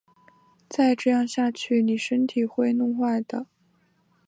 再这样下去妳身体会弄坏的